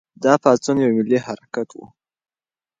دا پاڅون یو ملي حرکت و.